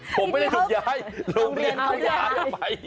ผมไม่ได้ถูกย้ายเราก็ถูกย้ายออกไป